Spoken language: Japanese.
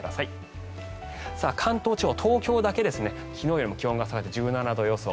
関東地方、東京だけ昨日よりも気温が下がって１７度予想。